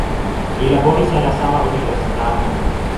Li laboris en la sama universitato.